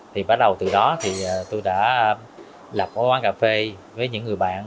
thì bắt đầu từ đó thì tôi đã lập một quán cà phê với những người bạn